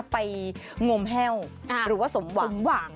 ไปงมแห่วหรือสมหวัง